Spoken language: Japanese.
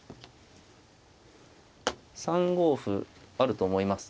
３五歩あると思いますね。